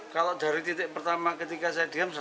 kalau dari titik pertama ketika saya diam